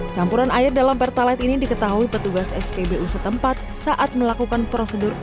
campuran air dalam pertalite ini diketahui petugas spbu setempat saat melakukan prosedur